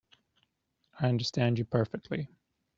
I understand you perfectly.